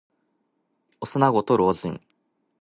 幼子と老人。